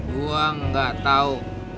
gue gak tau